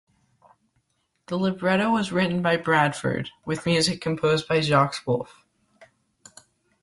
The libretto was written by Bradford, with music composed by Jacques Wolfe.